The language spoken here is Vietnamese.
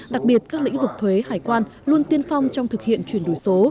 đặc biệt các lĩnh vực thuế hải quan luôn tiên phong trong thực hiện chuyển đổi số